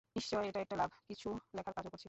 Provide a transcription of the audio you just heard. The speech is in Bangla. নিশ্চয়ই এটা একটা লাভ! কিছু লেখার কাজও করছি।